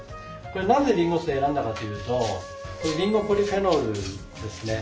なぜりんご酢を選んだかというとりんごポリフェノールですね。